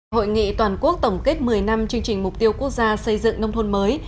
hội nghị toàn quốc tổng kết một mươi năm chương trình mục tiêu quốc gia xây dựng nông thôn mới